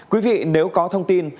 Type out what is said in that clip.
quý vị nếu có thông tin